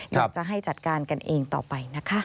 อยากจะให้จัดการกันเองต่อไปนะคะ